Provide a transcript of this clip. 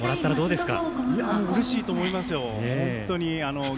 うれしいと思いますよ。